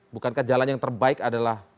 bukankah jalan yang terbaik adalah